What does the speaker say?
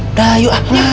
udah yuk ah